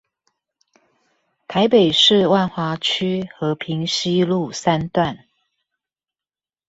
臺北市萬華區和平西路三段